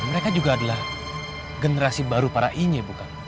mereka juga adalah generasi baru para ine bukan